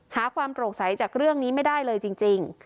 หาความตกใสจากเรื่องนี้ไม่ได้เลยจริงจริง